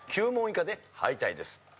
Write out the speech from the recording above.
９問以下で敗退です。